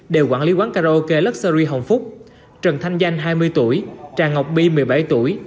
đều quản lý quán karaoke luxury hồng phúc trần thanh danh hai mươi tuổi tràng ngọc bi một mươi bảy tuổi